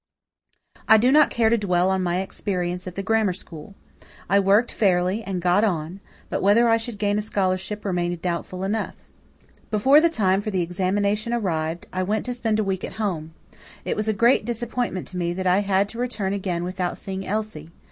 I do not care to dwell on my experience at the grammar school. I worked fairly, and got on; but whether I should gain a scholarship remained doubtful enough. Before the time for the examination arrived, I went to spend a week at home. It was a great disappointment to me that I had to return again without seeing Elsie.